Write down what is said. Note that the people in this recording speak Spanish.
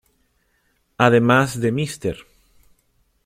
Además de Mr.